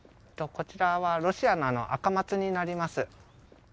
こちらは、ロシアのアカマツになります。